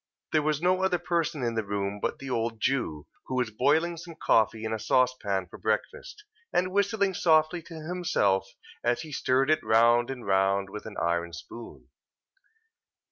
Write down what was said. There was no other person in the room but the old Jew, who was boiling some coffee in a saucepan for breakfast, and whistling softly to himself as he stirred it round and round, with an iron spoon.